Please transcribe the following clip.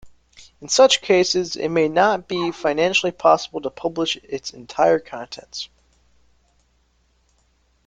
In such cases, it may not be financially possible to publish its entire contents.